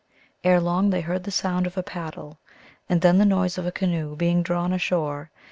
Erelong they heard the sound of a paddle, and then the noise of a canoe being drawn ashore.